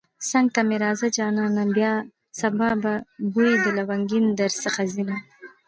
څنگ ته مې مه راځه جانانه سبا به بوی د لونگين درڅخه ځينه